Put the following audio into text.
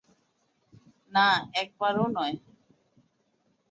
না, একবারও নয়।